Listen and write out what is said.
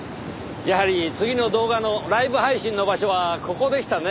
やはり次の動画のライブ配信の場所はここでしたねぇ。